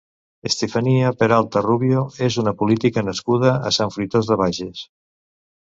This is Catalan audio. Estefanía Peralta Rubio és una política nascuda a Sant Fruitós de Bages.